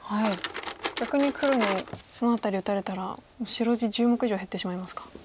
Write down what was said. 逆に黒にその辺り打たれたら白地１０目以上減ってしまいますか。